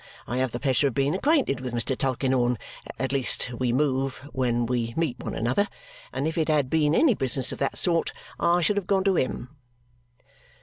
I have the pleasure of being acquainted with Mr. Tulkinghorn at least we move when we meet one another and if it had been any business of that sort, I should have gone to him."